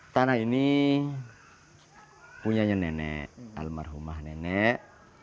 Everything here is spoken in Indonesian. tanah ini punyanya nenek almarhumah nenek